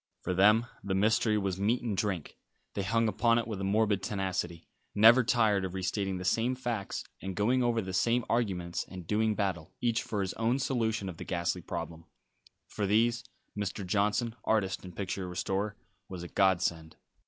For them the mystery was meat and drink. They hung upon it with a morbid tenacity, never tired of re stating the same facts, and going over the same arguments, and doing battle, each for his own solution of the ghastly problem. For these Mr. Johnson, artist and picture restorer, was a godsend.